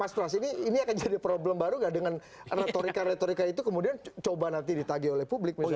mas pras ini akan jadi problem baru gak dengan retorika retorika itu kemudian coba nanti ditagih oleh publik misalnya